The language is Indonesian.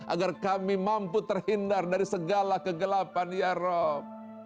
agar kami mampu terhindar dari segala kegelapan ya rab